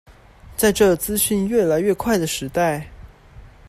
在這資訊越來越快的時代